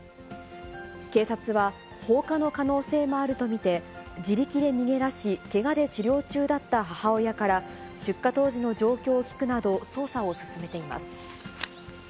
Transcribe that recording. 警察は放火の可能性もあると見て、自力で逃げ出し、けがで治療中だった母親から出火当時の状況を聴くなど、捜査を進めています。